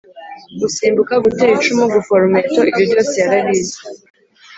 gusimbuka, gutera icumu, gufora umuheto ibyo byose yarabizi